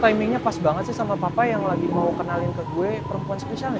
timingnya pas banget sih sama papa yang lagi mau kenalin ke gue perempuan spesial ya